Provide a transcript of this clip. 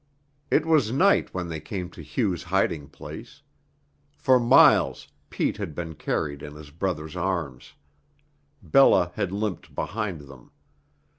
It was night when they came to Hugh's hiding place. For miles Pete had been carried in his brother's arms. Bella had limped behind them.